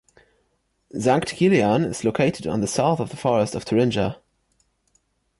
Sankt Kilian is located on the south of the forest of Thuringia.